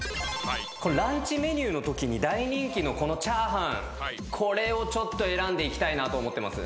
これランチメニューのときに大人気のこのチャーハンこれを選んでいきたいなと思ってます。